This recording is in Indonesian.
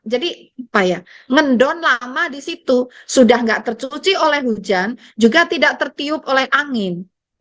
jadi apa ya mendon lama di situ sudah tidak tercuci oleh hujan juga tidak tertiup oleh angin